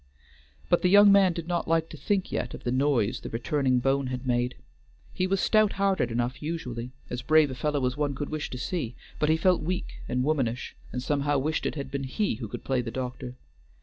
But the young man did not like to think yet of the noise the returning bone had made. He was stout hearted enough usually; as brave a fellow as one could wish to see; but he felt weak and womanish, and somehow wished it had been he who could play the doctor.